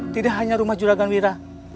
tidak hanya rumah juragan wira